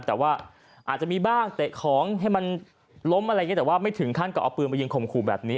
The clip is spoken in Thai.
แต่ว่าอาจจะมีบ้างเตะของให้มันล้มอะไรอย่างนี้แต่ว่าไม่ถึงขั้นกับเอาปืนไปยิงข่มขู่แบบนี้